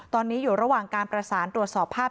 ตอนนี้อยู่ระหว่างการประสานตรวจสอบภาพ